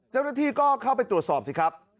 เจ้าหน้าที่ก็เข้าไปตรวจสอบสิครับ